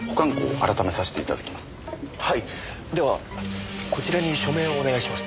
ではこちらに署名をお願いします。